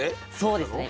そうですね。